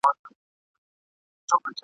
د چا عقل چي انسان غوندي پر لار وي !.